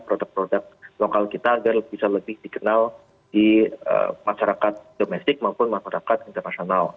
produk produk lokal kita agar bisa lebih dikenal di masyarakat domestik maupun masyarakat internasional